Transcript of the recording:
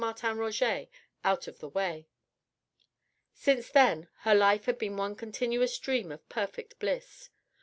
Martin Roget out of the way. Since then her life had been one continuous dream of perfect bliss.